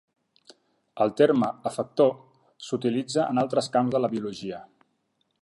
El terme "efector" s'utilitza en altres camps de la biologia.